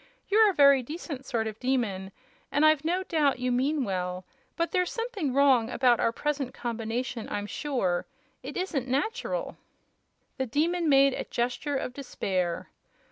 You're a very decent sort of Demon, and I've no doubt you mean well; but there's something wrong about our present combination, I'm sure. It isn't natural." The Demon made a gesture of despair.